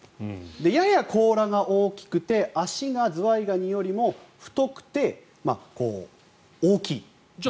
やや甲羅が大きくて足がズワイガニよりも太くて、大きい。